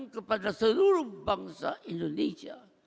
kepada seluruh bangsa indonesia